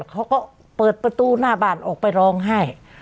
เขาก็เปิดประตูหน้าบ้านออกไปร้องไห้